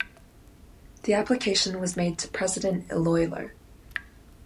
The application was made to President Iloilo.